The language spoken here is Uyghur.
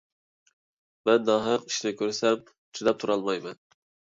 مەن ناھەق ئىشنى كۆرسەم چىداپ تۇرالمايمەن.